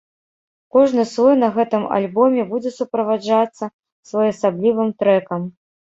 Кожны слой на гэтым альбоме будзе суправаджацца своеасаблівым трэкам.